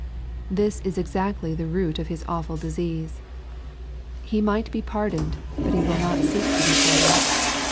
This is exactly the root of his awful disease. He might be pardoned, hut he will not seek to be pardoned.